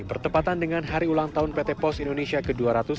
bertepatan dengan hari ulang tahun pt pos indonesia ke dua ratus tujuh puluh enam